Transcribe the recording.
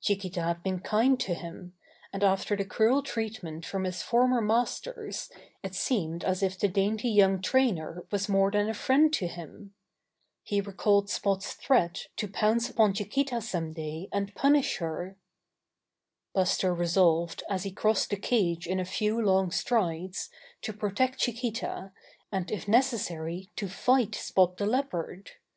Chiquita had been kind to him, and after the cruel treatment from his former masters it seemed as if the dainty young trainer was more than a friend to him. He recalled Spot's threat to pounce upon Chiquita some day and punish her. Buster resolved, as he crossed the cage in a few long strides, to protect Chiquita, and if necessary to fight Spot the Leopard.